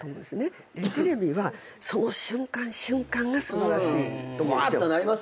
でテレビはその瞬間瞬間が素晴らしいと思うんですよ。